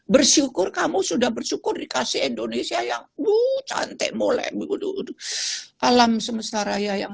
bersyukur kamu sudah bersyukur dikasih indonesia yang uh cantik mulai alam semesta raya yang